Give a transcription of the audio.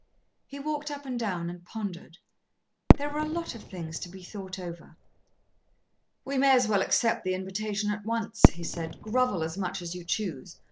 He walked up and down and pondered. There were a lot of things to be thought over. "We may as well accept the invitation at once," he said. "Grovel as much as you choose.